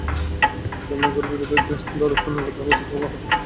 লেনদেন নিয়ে বিরোধের জের ধরে খুনের ঘটনা ঘটেছে বলে মনে হচ্ছে।